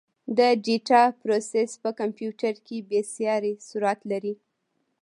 د ډیټا پروسس په کمپیوټر کې بېساري سرعت لري.